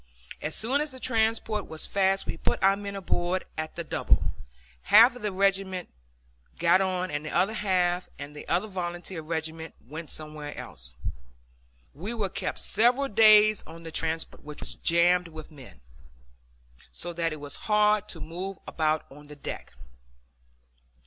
As soon as the transport was fast we put our men aboard at the double. Half of the regular regiment got on, and the other half and the other volunteer regiment went somewhere else. We were kept several days on the transport, which was jammed with men, so that it was hard to move about on the deck.